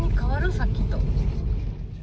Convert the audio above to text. さっきと。